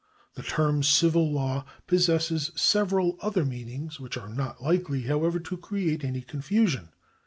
The term civil law possesses several other meanings, which are not likely, however, to create any confusion.